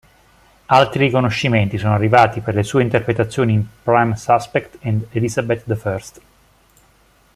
Altri riconoscimenti sono arrivati per le sue interpretazioni in "Prime Suspect" ed "Elizabeth I".